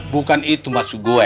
bukan itu mas sugoe